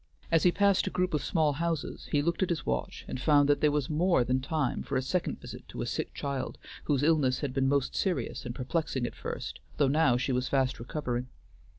As he passed a group of small houses he looked at his watch and found that there was more than time for a second visit to a sick child whose illness had been most serious and perplexing at first, though now she was fast recovering.